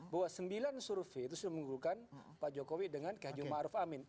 bahwa sembilan survei itu sudah mengunggulkan pak jokowi dengan kejimahruf amin